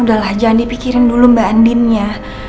udah lah jangan dipikirin dulu mbak andinnya